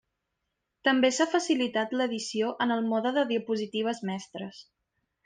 També s'ha facilitat l'edició en el mode de diapositives mestres.